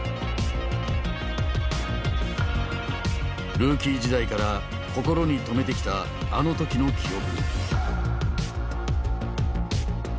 ルーキー時代から心に留めてきたあの時の記憶。